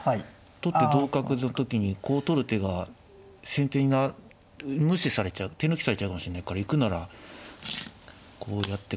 取って同角の時にこう取る手が先手に無視されちゃう手抜きされちゃうかもしれないから行くならこうやってから。